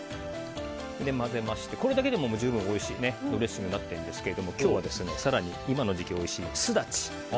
これだけでも十分おいしいドレッシングなんですが今日は、更に今の時期おいしいスダチ。